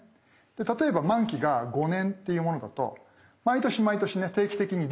例えば満期が５年っていうものだと毎年毎年ね定期的に利子がもらえます。